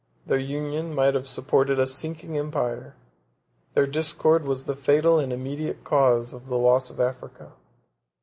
Their union might have supported a sinking empire; their discord was the fatal and immediate cause of the loss of Africa.